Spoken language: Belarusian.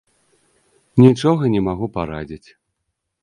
Нічога не магу парадзіць!